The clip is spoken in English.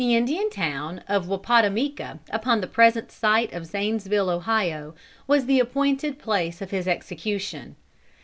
The Indian town of Wappatomica, upon the present site of Zanesville, Ohio, was the appointed place of his execution.